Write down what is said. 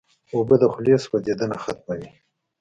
اوبه د خولې سوځېدنه ختموي.